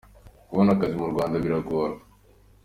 Kubona akazi mu Rwanda biragora.